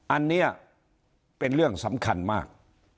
อันนี้เป็นเรื่องสำคัญมาก